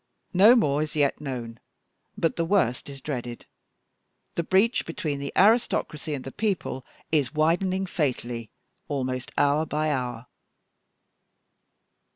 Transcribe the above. No more is yet known, but the worst is dreaded. The breach between the aristocracy and the people is widening fatally almost hour by hour."